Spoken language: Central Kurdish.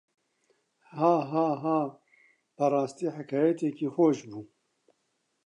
هاهاها بەڕاستی حەکایەتێکی خۆش بوو.